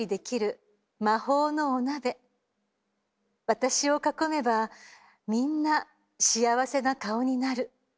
私を囲めばみんな幸せな顔になる。